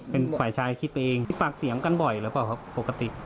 เป็นฝ่ายชายคิดเองมีปากเสียงกันบ่อยหรือเปล่าครับปกติ